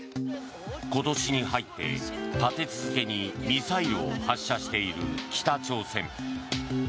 今年に入って立て続けにミサイルを発射している北朝鮮。